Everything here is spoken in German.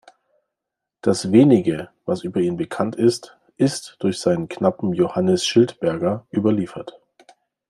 Das wenige, das über ihn bekannt ist, ist durch seinen Knappen Johannes Schiltberger überliefert.